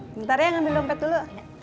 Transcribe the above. bentar ya ambil dompet dulu